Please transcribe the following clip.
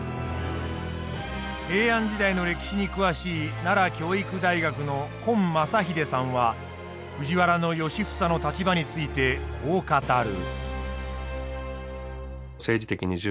平安時代の歴史に詳しい奈良教育大学の今正秀さんは藤原良房の立場についてこう語る。